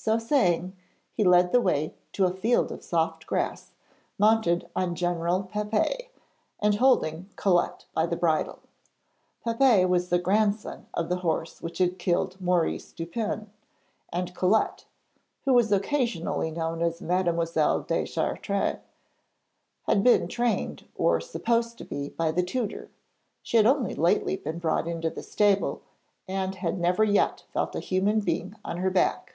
So saying he led the way to a field of soft grass, mounted on General Pépé, and holding Colette by the bridle. Pépé was a grandson of the horse which had killed Maurice Dupin, and Colette (who was occasionally known as Mademoiselle Deschartres) had been trained or supposed to be by the tutor; she had only lately been brought into the stable, and had never yet felt a human being on her back.